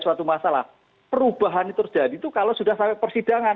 suatu masalah perubahan itu terjadi itu kalau sudah sampai persidangan